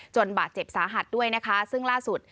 บาดเจ็บสาหัสด้วยนะคะซึ่งล่าสุด